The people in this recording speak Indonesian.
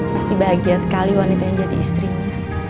pasti bahagia sekali wanita yang jadi istrinya